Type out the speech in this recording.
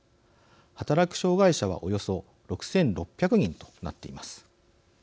働く障害者はおよそ６６００人となっています。